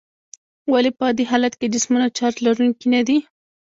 ولې په عادي حالت کې جسمونه چارج لرونکي ندي؟